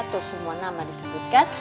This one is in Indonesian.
tuh semua nama disebutkan